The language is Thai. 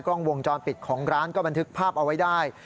กล้องวงจรปิดของร้านก็บันทึกภาพเอาไว้ได้